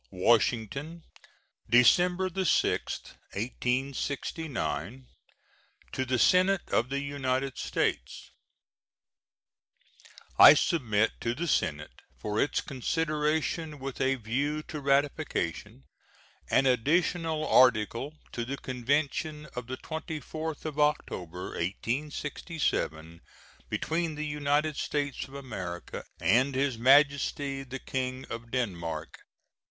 WASHINGTON, December 6, 1869. To the Senate of the United States: I submit to the Senate, for its consideration with a view to ratification, an additional article to the convention of the 24th of October, 1867, between the United States of America and His Majesty the King of Denmark.